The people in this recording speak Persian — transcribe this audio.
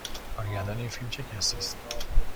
کارگردان این فیلم چه کسی است؟